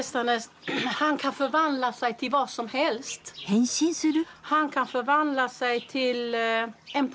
変身する？